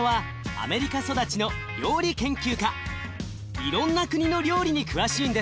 いろんな国の料理に詳しいんです。